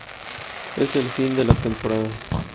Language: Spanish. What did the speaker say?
Es el fin de la temporada.